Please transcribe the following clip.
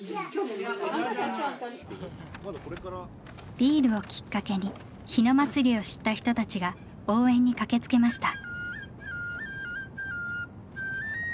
ビールをきっかけに日野祭を知った人たちが応援に駆けつけました。